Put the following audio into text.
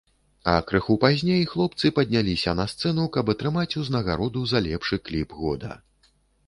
А крыху пазней хлопцы падняліся на сцэну, каб атрымаць узнагароду за лепшы кліп года.